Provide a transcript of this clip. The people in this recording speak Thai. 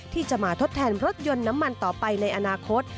ที่จะมาทดแทนรถยนต์น้ำมันต่อไปในอนาคต